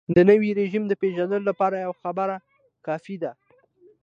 د نوي رژیم د پېژندلو لپاره یوه خبره کافي ده.